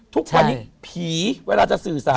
ทุกวันนี้ผีเวลาจะสื่อสาร